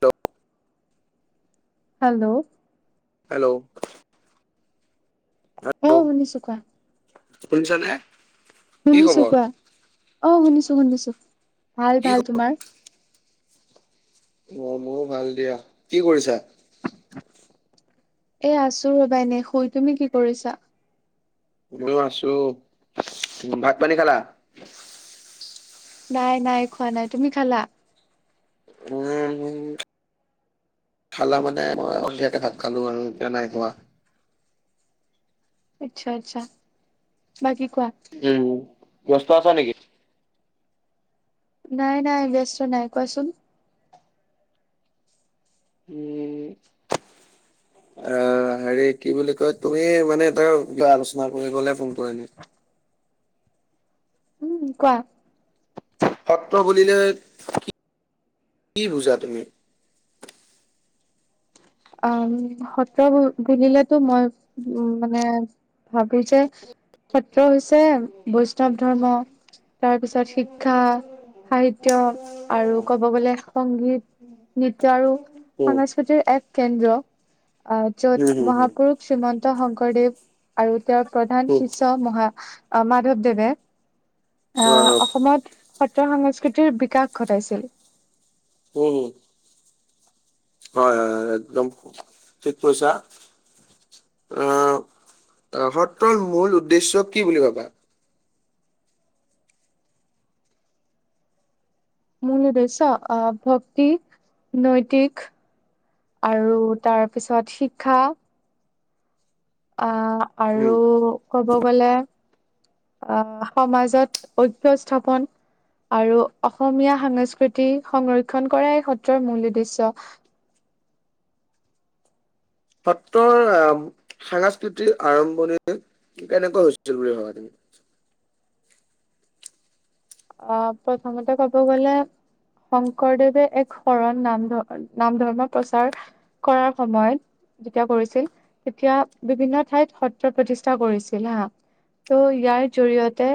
দঅ hello hello অ hello শুনিছো কোৱা শুনিছানে কি শুনিছো খবৰ কোৱা অ শুনিছো শুনিছো ভাল কি খ ভাল তোমাৰ অ মোৰো ভাল দিয়া কি কৰিছা এ আছো ৰ'বা এনে শুই, তুমি কি কৰিছা? মইও আছো ভাত পানী খালা নাই নাই খোৱা নাই তুমি খালা উম খালা মানে মই সন্ধিয়াতে ভাত খালো আৰু এতিয়া নাই খোৱা আচ্ছা আচ্ছা বাকী কোৱা উম ব্যস্ত আছা নিকি নাই নাই ব্যস্ত নাই কোৱাচোন উম অ হেৰি কি বুলি কয় তুমি মানে এটাৰ কিবা আলোচনা কৰিবলে ফোন কৰিলো। উম, কোৱা। সত্ৰ বুলিলে কি, কি বুজা তুমি। আ-ম, সত্ৰ বু বুলিলেতো মই উম মানে। ভাবো যে, সত্ৰ হৈছে বৈষ্ণৱ ধৰ্ম তাৰপিছত শিক্ষা, সাহিত্য আৰু ক'ব গ'লে সংগীত নৃত্য আৰু উম সাংস্কৃতিৰ এক কেন্দ্ৰ অ' উম য'ত হম মহাপুৰুষ শ্ৰীমন্ত শংকৰদেৱ আৰু তেওঁৰ প্ৰধান হম উম শিষ্য মহা আ মাধৱদেৱে হয় হয় উম আ' অসমত সত্য সংস্কৃতিৰ বিকাশ ঘটাইছিল। উম হয় হয় হয় একদম ঠিক কইছা অ সত্ৰৰ মূল উদ্দেশ্য কি বুলি ভাবা মূল উদ্দেশ্য আ ভক্তি নৈতিক আৰু তাৰ পিছত শিক্ষা আ' উম আৰু ক'ব গ'লে। আ' সমাজত ঐক্য স্থাপন আৰু অসমীয়া সাংস্কৃতি সংৰক্ষণ কৰাই সত্ৰৰ মূল উদ্দেশ্য। সত্ৰৰ আ' সাংস্কৃতি আৰম্ভণি কেনেকৈ হৈছিল বুলি ভাবা তুমি। অ' প্ৰথমতে ক'ব গ'লে। শংকৰদেৱে এক শৰণ নাম ধ নাম ধৰ্ম প্ৰচাৰ কৰাৰ সময়ত যেতিয়া কৰিছিল তেতিয়া বিভিন্ন ঠাইত সত্ৰ প্ৰতিষ্ঠা কৰিছিল হা ত' ইয়াৰ জৰিয়তে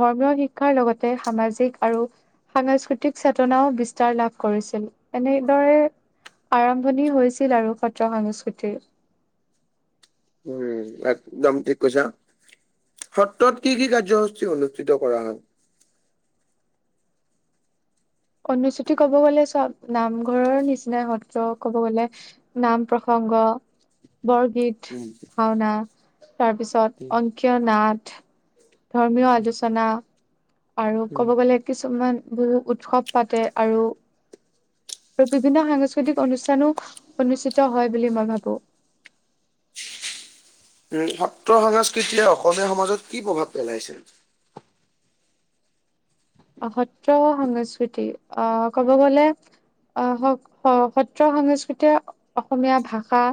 ধৰ্মীয় শিক্ষাৰ লগতে সামাজিক আৰু সাংস্কৃতিক চেতনাও বিস্তাৰ লাভ কৰিছিল এনেদৰে আৰম্ভণি হৈছিল আৰু সত্ৰ সংস্কৃতিৰ উম একদম ঠিক কৈছা সত্ৰত কি কি কাৰ্যসূচী অনুষ্ঠিত কৰা হয় অনুষ্ঠিত ক'ব গ'লে চব নামঘৰৰ নিচিনা সত্ৰ কব গ'লে নাম প্ৰসংগ বৰগীত উম ভাওনা তাৰপিছত উম অংকীয় নাট ধৰ্মীয় আলোচনা আৰু উম ক'ব গ'লে কিছুমান বহু উৎসৱ পাতে আৰু আৰু বিভিন্ন সাংস্কৃতিক অনুষ্ঠানো অনুষ্ঠিত হয় বুলি মই ভাবো উম সত্ৰ সংস্কৃতিয়ে অসমীয়া সমাজত কি প্ৰভাৱ পেলাইছে সত্ৰ সংস্কৃতি অ কব গলে অ স সত্ৰ সংস্কৃতিয়ে অসমীয়া ভাষা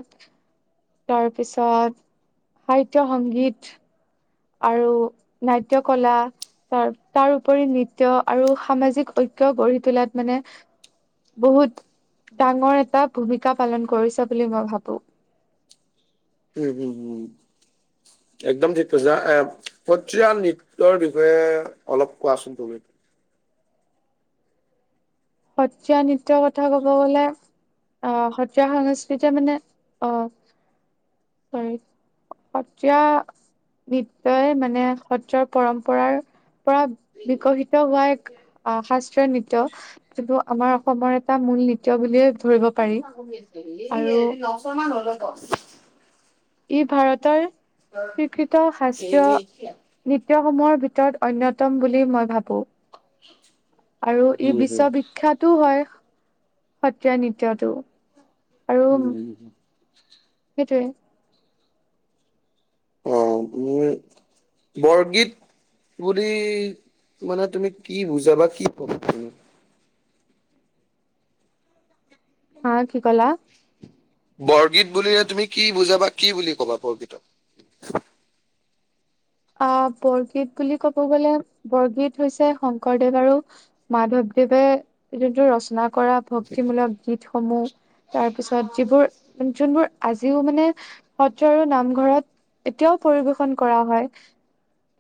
তাৰপিছত সাহিত্য সংগীত আৰু নাট্য কলা তাৰ তাৰ উপৰি নৃত্য আৰু সামাজিক ঐক্য গঢ়ি তোলাত মানে বহুত ডাঙৰ এটা ভূমিকা পালন কৰিছে বুলি মই ভাবো উম উম হুম একদম ঠিক কৈছা এ সত্ৰীয়া নৃত্যৰ বিষয়ে অলপ কোৱাচোন তুমি। সত্ৰীয়া নৃত্যৰ কথা কব গলে। অ সত্ৰীয়া সংস্কৃতি মানে অ হেৰি সত্ৰীয়া নৃত্যই মানে সত্ৰৰ পৰম্পৰাৰ পৰা বিকশিত হোৱা এক অ শাস্ত্ৰীয় নৃত্য যোনটো আমাৰ অসমৰ এটা মূল নৃত্য বুলিয়ে ধৰিব পাৰি আৰু [unintelligible] ই ভাৰতৰ স্বীকৃত শাস্ত্ৰীয় নৃত্যসমূহৰ ভিতৰত অন্যতম বুলি মই ভাবো। আৰু ই বিশ্ববিখ্যাতো হয়। সত্ৰীয়া নৃত্যটো আৰু উম সেইটোৱে অ মোৰ বৰগীত বুলি মানে তুমি কি বুজাবা কি কবা তুমি? হা কি কলা বৰগীত বুলিলে তুমি কি বুজাবা কি বুলি ক'বা বৰগীতক অ বৰগীত বুলি ক'ব গলে বৰগীত হৈছে শংকৰদেৱ আৰু মাধৱদেৱে যোনটো ৰচনা কৰা ভক্তিমূলক গীতসমূহ। তাৰ পিছত যিবোৰ যোনবোৰ আজিও মানে সত্ৰ আৰু নামঘৰত এতিয়াও পৰিবেশন কৰা হয়।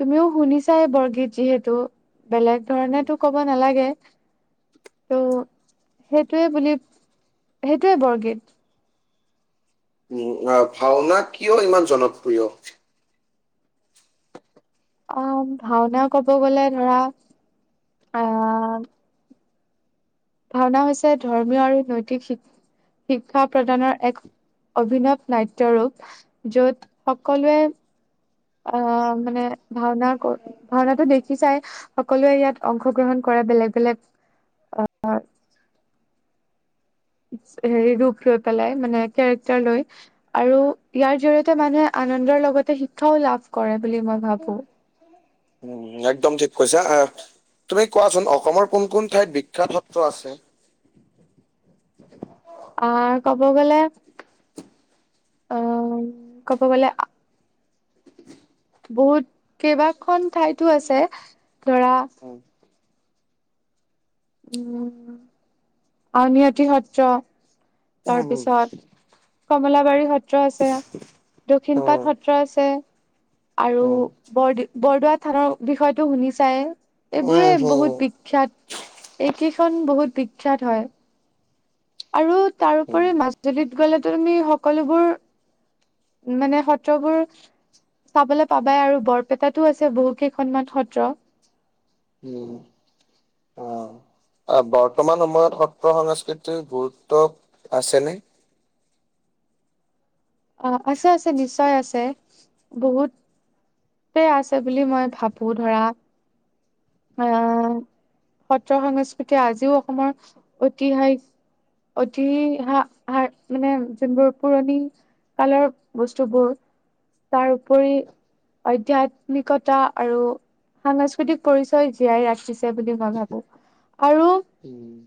তুমিও শুনিছাই বৰগীত যিহেতু বেলেগ ধৰণেতো ক'ব নালাগে। ত' সেইটোৱে বুলি সেইটোৱে বৰগীত। উম অ ভাওনা কিয় ইমান জনপ্ৰিয় অ, ' ভাওনা কব গলে ধৰা আহ ভাওনা হৈছে ধৰ্মীয় আৰু নৈতিক শিক শিক্ষা প্ৰদানৰ এক অভিনৱ নাট্য় ৰূপ য'ত সকলোৱে অ, ' মানে ভাওনা ভাওনাাতটো দেখি চাই সকলোৱে ইয়াত অংশগ্ৰহণ কৰে বেলেগ বেলেগ হেৰি ৰূপ লৈ পেলাই মানে কেৰেক্টাৰ লৈ আৰু ইয়াৰ জৰি়িয়তে মানুহে আনন্দৰ লগতে শিক্ষাও লাভ কৰে বুলি মই ভাবো। উম, একদম ঠিক কৈছো আহ তুমি কোৱাচোন অসমৰ কোন কোন ঠাইত বিখ্যাত সত্ৰ আছে। অ, ' ক'ব গ'লে অ, ' কব গ'লে বহুত কেইবাখন ঠাইতো আছে ধৰা উম উম, আৰু আউনিহাটি সত্ৰ উম তাৰপিছত কমলাবাৰী সত্ৰ আছে উম দক্ষিণপাট সত্ৰ আছে। আৰু উম বৰদ বৰদোৱা থানৰ বিষয়টো শুনি চাই। এইবোৰে হম বহুত বিখ্যাত এইকেইখন বহুত বিখ্যাত হয়। আৰু উম তাৰপৰি মাজুলীত গ'লেো তুমি সকলোবোৰ মানে সত্ৰবোৰ চাবলৈ পাবাই আৰু বৰপেটাতো আছে বহু কেইখনমান সত্ৰ উম, অঁ, ' অ, 'বৰ্তমান সময়ত সত্ৰ সংস্কৃতিৰ গুৰুত্ব আছেনে? অ, ' আছে আছে নিশ্চয় আছে বহুত আছে বুলি মই ভাবো ধৰা আহ সত্ৰ সংস্কৃতি আজিও অসমৰ ঐতিহাসিক অতি হা- হ মানে যোনবোৰ পুৰণি কালাৰ বস্তুবোৰ তাৰ উপৰি আধ্যয়াত্মিকতা আৰু সাংস্কৃতিক পৰিচয় জীয়াই ৰাখিছে বুলি মই ভাবো আৰু উম,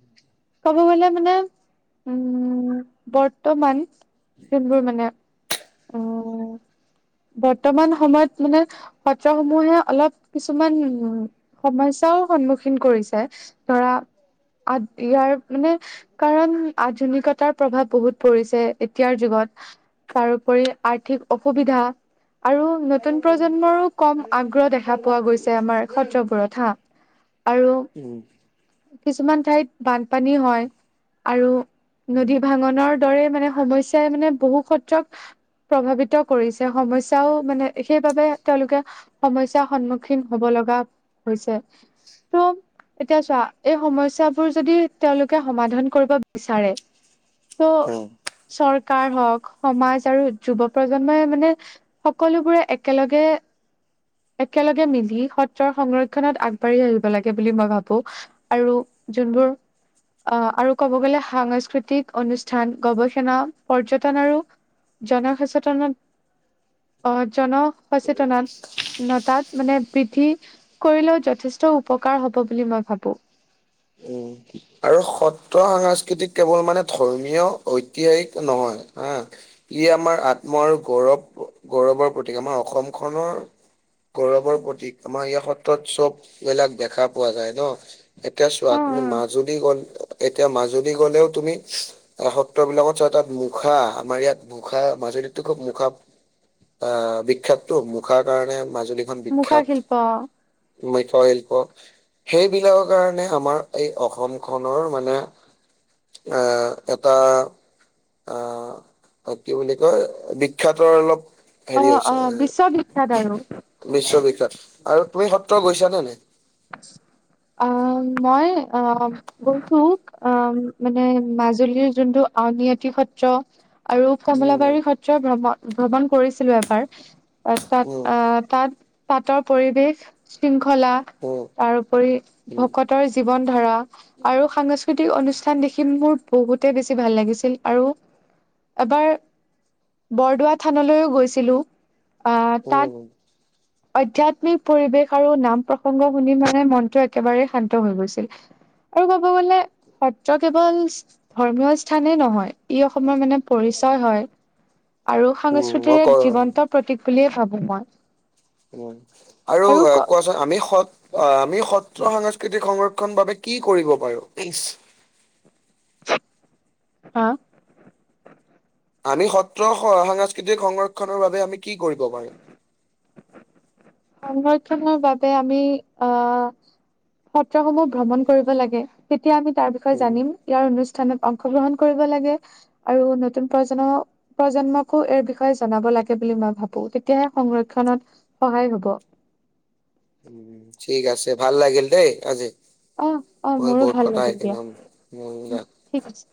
ক'ব গলে মানে উম, বৰ্তমান যোনবোৰ মানে উম [inaudible] বৰ্তমান সময়ত মানে সত্ৰ সমূহে অলপ কিছুমান উ, সমস্যাও সন্মুখীন কৰিছে। ধৰা ইয়াৰ মানে কাৰণ আধুনিকতাৰ প্ৰভাৱ বহুত পৰিছে এতিয়াৰ যুগত তাৰো কৰি আৰ্থিক অসুবিধা আৰু নতুন প্ৰজন্মৰো কম আগ্ৰহ দেখা পোৱা গৈছে আমাৰ সত্ৰবোৰত হা আৰু উম কিছুমান ঠাইত বানপানী হয় আৰু নদী ভাঙনৰ দৰে মানে সমস্যাই মানে বহু সত্ৰক প্ৰভাৱিত কৰিছে সমস্যাও মানে সেইবাবে তেওঁলোকে সমস্যাৰ সন্মুখীন হব লগা হৈছে ত' এতিয়া চোৱা এই সমস্যাবোৰ যদি তেওঁলোকে সমাধান কৰিব বিচাৰে তো' উম চৰকাৰ হ'ওক সমাজ আৰু যুৱ প্ৰজন্মই মানে সকলোবোৰে একেলগে একেলগে মিলি, সত্ৰৰ সংৰক্ষনত আগবাঢ়ি আহিব লাগে বুলি মই ভাবো আৰু, যোনবোৰ আহ, আৰু কব গ'লে সাংস্কৃতিক অনুষ্ঠান, গৱেষণা, পৰ্যটন, আৰু জনসচেতনত, আহ, জনসচেতনত। উনতাত মানে বৃদ্ধি কৰিলেও যথেষ্ট উপকাৰ হ'ব বুলি মই ভাবো। উম, আৰু সত্ৰ সাংস্কৃতিক কেৱল মানে ধৰ্মীয় ঐতিহাসিক নহয়, হা। ই, আমাৰ আত্ম আৰু গৌৰৱ, গৌৰৱৰ প্ৰতীক আমাৰ অসম খনৰ গৌৰৱৰ প্ৰতীক, আমাৰ ইয়াৰ সত্ৰত চ'ব বিলাক দেখা পোৱা যায় ন। এতিয়া চোৱা, অ অ তুমি মাজুলী গল, এতিয়া মাজুলী গলেও তুমি সত্ৰবিলাকত চোৱা, তাত মুখা আমাৰ ইয়াত মুখা মাজুলীততো খুব, মুখা আহ, বিখ্যাতটো মুখাৰ কাৰণে মাজুলী। মুখা বিখ্যাত, শিল্প মৈঠ শিল্প, সেইবিলাকৰ কাৰণে আমাৰ এই অসমখনৰ মানে এ, এটা অ, কি বুলি কয়? বিখ্যাতৰ অলপ অ হেৰি অ হৈছে এ, বিশ্ববিখ্যাত আৰু বিশ্ব বিখ্যাত, আৰু তুমি সত্ৰ গৈছা নে নাই? [unintelligible] অ, মই অ, গৈছো আহ, মানে মাজুলীৰ যোনটো আউনি আতি সত্ৰ। আৰু উম কমলাবাৰী সত্ৰ ভ্ৰমণ, ভ্ৰমণ কৰিছিলো এবাৰ। তাত উম আহ, তাত পাতৰ পৰিৱেশ, শৃংখলা উম তাৰপৰি, ভকতৰ জীৱন ধাৰা। আৰু সাংস্কৃতিক অনুষ্ঠান দেখি, মোৰ বহুতে বেছি ভাল লাগিছিল আৰু। এবাৰ, বৰদোৱা থানলৈও গৈছিলো। আহ, উম উম তাত আধ্যাত্মিক পৰিৱেশ, আৰু নাম-প্ৰসংগ শুনি মানে মনতটো একেবাৰেই শান্ত হৈ গৈছিল। আৰু ক'ব গ'লে, সত্ৰ কেৱল ধৰ্মীয় স্থানেই নহয়। ই অসমৰ মানে পৰিচয় হয়, আৰু উম মই সংস্কৃতিৰ ক এক জীৱন্ত প্ৰতীক, বুলিয়েই ভাবো মই। আৰু কোৱাচোন আমি সত, আমি সত্ৰ, সাংস্কৃতিক সংৰক্ষণ বাবে কি কৰিব পাৰো, ভিকচ হা আমি সত্ৰ সাংস্কৃতিক সংৰক্ষণৰ বাবে আমি কি কৰিব পাৰো? সংৰক্ষণৰ বাবে, আমি আহ সত্ৰসমূহ ভ্ৰমণ কৰিব লাগে, তেতিয়া আমি তাৰ বিষয়ে উম, জানিম। ইয়াৰ অনুষ্ঠানত অংশগ্ৰহণ কৰিব লাগে, আৰু নতুন প্ৰজন্ম প্ৰজন্মকো এইৰ বিষয়ে জনাব লাগে বুলি মই ভাবো, তেতিয়াহে সংৰক্ষনত সহায় হ'ব। [unintelligible] ঠিক আছে, ভাল লাগিল দেই আজি। অ, অ,, মই মোৰো বহুত ভাল কথা লাগিল দিয়া, শিকিলো। উম, উম, ঠিক আছে।